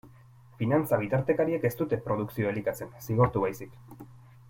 Finantza-bitartekariek ez dute produkzioa elikatzen, zigortu baizik.